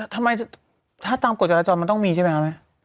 ทำไมถ้าตามกฎจัดละจอดมันต้องมีใช่มั้ย